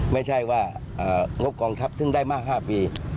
ไม่ใช่ว่างบกองทัพซึ่งได้มาก๕ปี